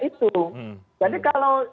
itu jadi kalau